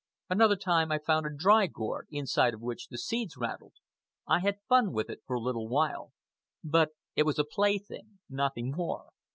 Another time I found a dry gourd, inside of which the seeds rattled. I had fun with it for a while. But it was a plaything, nothing more.